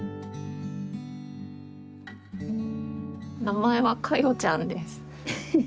名前は華代ちゃんです。